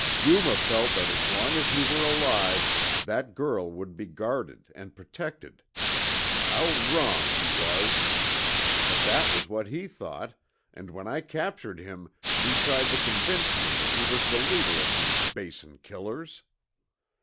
Yuma felt that as long as you were alive, that girl would be guarded and protected. How wrong he was! But that was what he thought, and when I captured him he tried to convince me that he was the leader of these Basin killers.